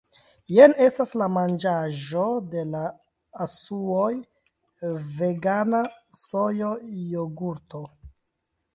Jen estas la manĝaĵo de la asuoj vegana sojo-jogurto